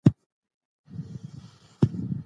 که باران وسي، نو کښتونه شنه کيږي.